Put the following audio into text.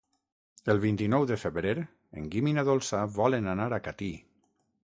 El vint-i-nou de febrer en Guim i na Dolça volen anar a Catí.